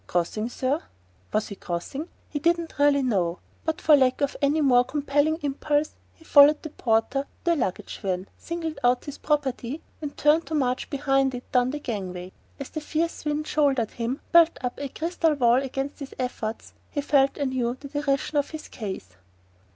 "Crossing, sir?" Was he crossing? He really didn't know; but for lack of any more compelling impulse he followed the porter to the luggage van, singled out his property, and turned to march behind it down the gang way. As the fierce wind shouldered him, building up a crystal wall against his efforts, he felt anew the derision of his case.